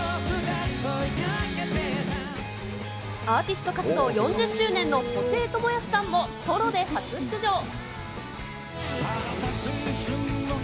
アーティスト活動４０周年の布袋寅泰さんもソロで初出場。